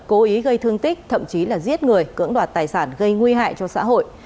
cố ý gây thương tích thậm chí là giết người cưỡng đoạt tài sản gây nguy hại cho xã hội